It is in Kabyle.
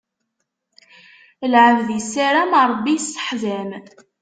Lɛebd issaram, Ṛebbi isseḥzam.